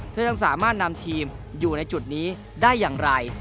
ยังสามารถนำทีมอยู่ในจุดนี้ได้อย่างไร